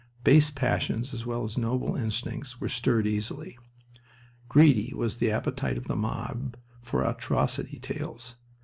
Base passions as well as noble instincts were stirred easily. Greedy was the appetite of the mob for atrocity tales.